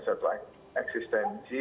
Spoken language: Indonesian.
satu lagi eksistensi